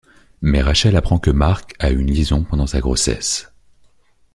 Mais Rachel apprend que Mark a eu une liaison pendant sa grossesse...